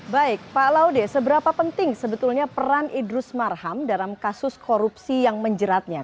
baik pak laude seberapa penting sebetulnya peran idrus marham dalam kasus korupsi yang menjeratnya